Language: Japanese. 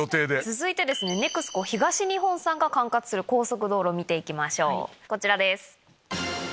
続いてＮＥＸＣＯ東日本さんが管轄する高速道路見ていきましょうこちらです。